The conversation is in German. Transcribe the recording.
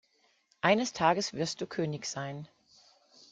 Eines Tages wirst du König sein.